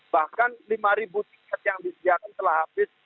bahkan lima tiket yang disediakan telah habis